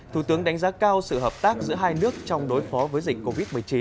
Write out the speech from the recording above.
thủ tướng đánh giá cao sự hợp tác giữa hai nước trong đối phó với dịch covid một mươi chín